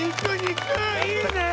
いいね